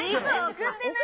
送ってない？